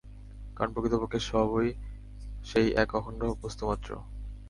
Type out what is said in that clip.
কারণ প্রকৃতপক্ষে সবই সেই এক অখণ্ড বস্তুমাত্র।